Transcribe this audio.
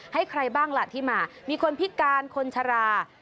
ให้ใครบ้างล่ะที่มามีคนพิการคนชรา